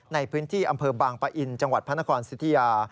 ในพื้นที่อำเภอบางปะอินจังหวัดพระนครสิทธิยา